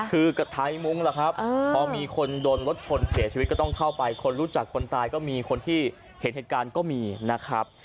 คือกระไทยมุ้งล่ะครับพอมีคนโดนรถชนเสียชีวิตก็ต้องเข้าไปคนรู้จักคนตายก็มีคนที่เห็นเหตุการณ์ก็มีนะครับ